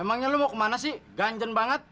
eh emangnya lo mau kemana sih ganjen banget